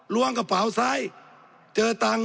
ล้วงกระเป๋าซ้ายเจอตังค์